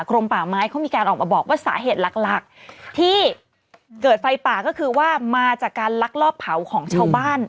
กรมป่าไม้เขามีการออกมาบอกว่าสาเหตุหลักหลักที่เกิดไฟป่าก็คือว่ามาจากการลักลอบเผาของชาวบ้าน